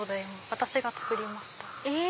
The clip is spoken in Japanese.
私が作りました。